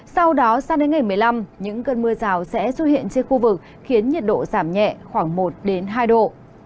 sau đó sang đến ngày một mươi năm những cơn mưa rào sẽ xuất hiện trên khu vực khiến nhiệt độ giảm nhẹ khoảng một hai độ